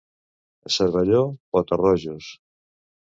A Cervelló pota-rojos.